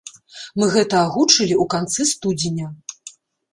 Мы гэта агучылі ў канцы студзеня.